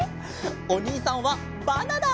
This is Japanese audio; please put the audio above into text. おにいさんはバナナ！